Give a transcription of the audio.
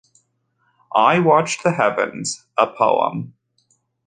I Watched the Heavens: a Poem.